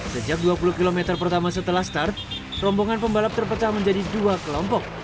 sejak dua puluh km pertama setelah start rombongan pembalap terpecah menjadi dua kelompok